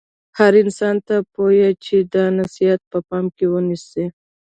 هر انسان ته پویه چې دا نصحیت په پام کې ونیسي.